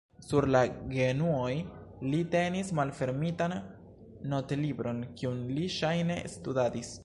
Sur la genuoj li tenis malfermitan notlibron, kiun li ŝajne studadis.